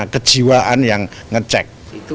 kejiwaan yang ngecek